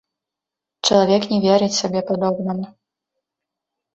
Чалавек не верыць сабе падобнаму.